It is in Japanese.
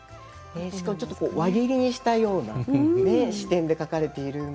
しかもちょっと輪切りにしたような視点で描かれているんで。